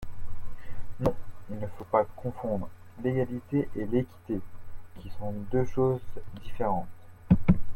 Non, il ne faut pas confondre l’égalité et l’équité, qui sont deux choses différentes.